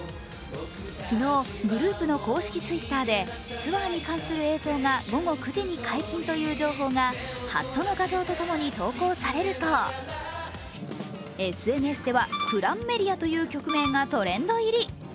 昨日、グループの公式Ｔｗｉｔｔｅｒでツアーに関する映像が午後９時に解禁という情報がハットの画像とともに投稿されるとＳＮＳでは「クランメリア」という曲名がトレンド入り。